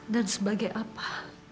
dan sebagai apa